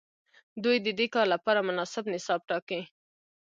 دوی ددې کار لپاره مناسب نصاب ټاکي.